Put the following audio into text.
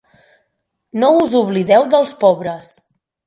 No us oblideu dels pobres.